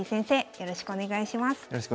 よろしくお願いします。